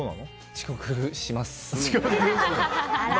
遅刻します。